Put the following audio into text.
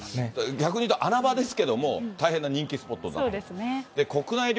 逆にいうと穴場ですけれども、大変な人気スポットに。